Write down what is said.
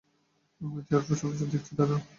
আমি তো air force officer দেখছি দাদা।